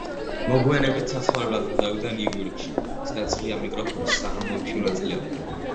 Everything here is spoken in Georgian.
მოგვიანებით საცხოვრებლად გადავიდა ნიუ-იორკში, სადაც ღია მიკროფონის საღამოებში მონაწილეობდა.